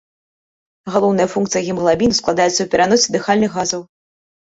Галоўная функцыя гемаглабіну складаецца ў пераносе дыхальных газаў.